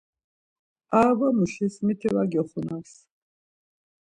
Arabamuşis miti var gyoxunams.